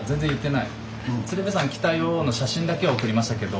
「鶴瓶さん来たよ」の写真だけは送りましたけど。